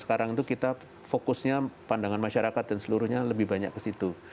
sekarang itu kita fokusnya pandangan masyarakat dan seluruhnya lebih banyak ke situ